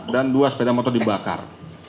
dan dua sepeda motor dibakar